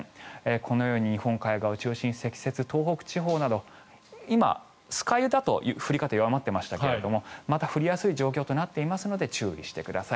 このように日本海側を中心に積雪、東北地方など今、酸ケ湯だと降り方が弱まっていましたがまた降りやすい状況となっていますので注意してください。